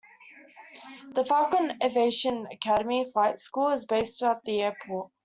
The Falcon Aviation Academy flight school is based at the airport.